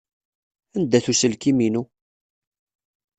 Anda-t uselkim-inu?